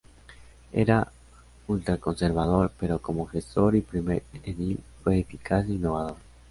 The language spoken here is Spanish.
Era ultraconservador, pero como gestor y primer edil fue eficaz e innovador.